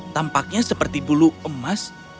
tampaknya seperti bulu emas